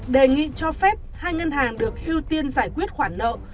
đề nghị cho phép hai ngân hàng được ưu tiên giải quyết khoản nợ